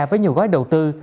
với nhiều gói đầu tư